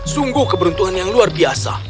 sungguh keberuntuhan yang luar biasa